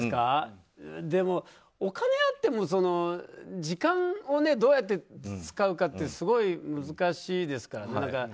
でも、お金があっても時間をどうやって使うかってすごい難しいですからね。